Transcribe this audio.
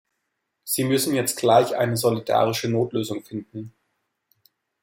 Sie müssen jetzt gleich eine solidarische Notlösung finden.